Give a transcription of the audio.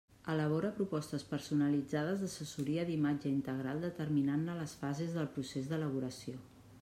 Elabora propostes personalitzades d'assessoria d'imatge integral determinant-ne les fases del procés d'elaboració.